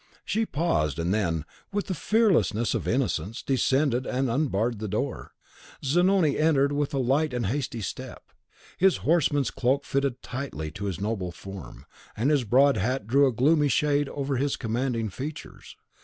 She paused, and then, with the fearlessness of innocence, descended and unbarred the door. Zanoni entered with a light and hasty step. His horseman's cloak fitted tightly to his noble form, and his broad hat threw a gloomy shade over his commanding features.